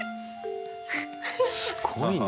すごいね。